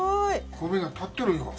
米が立っとるよ！